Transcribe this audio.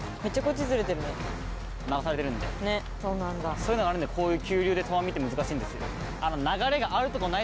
そういうのがあるんでこういう。